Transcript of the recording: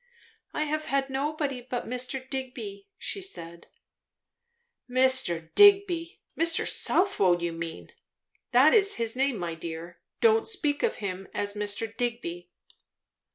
"I have had nobody but Mr. Digby," she said. "Mr. Digby! Mr. Southwode, you mean? That is his name, my dear; don't speak of him as 'Mr. Digby.'"